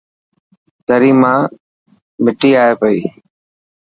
دري مان مٺي آئي پئي.